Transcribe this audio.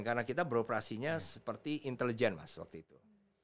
karena kita beroperasinya seperti intelijen mas waktu itu